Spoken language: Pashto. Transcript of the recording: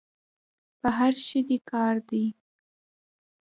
په هر شي دي کار دی.